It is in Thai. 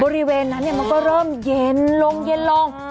บริเวณนั้นมันก็เริ่มเย็นลงเย็นลง